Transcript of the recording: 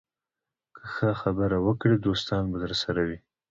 که ښه خبرې وکړې، دوستان به درسره وي